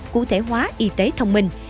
cụ thể hóa y tế thông minh